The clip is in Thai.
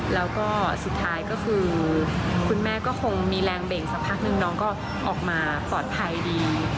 แล้วก็สุดท้ายก็คือคุณแม่ก็คงมีแรงเบ่งสักพักนึงน้องก็ออกมาปลอดภัยดี